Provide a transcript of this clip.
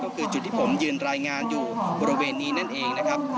ก็คือจุดที่ผมยืนรายงานอยู่บริเวณนี้นั่นเองนะครับ